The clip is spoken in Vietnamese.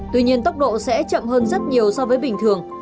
tuy nhiên tốc độ sẽ chậm hơn rất nhiều so với bình thường